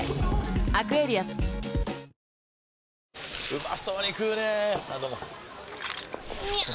うまそうに食うねぇあどうもみゃう！！